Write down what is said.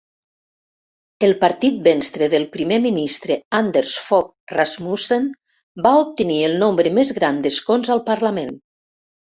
El partit Venstre del primer ministre Anders Fogh Rasmussen va obtenir el nombre més gran d'escons al parlament.